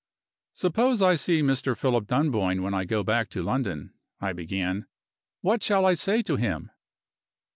"Suppose I see Mr. Philip Dunboyne when I go back to London," I began, "what shall I say to him?"